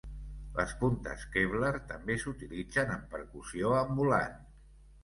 Les puntes kevlar també s'utilitzen en percussió ambulant.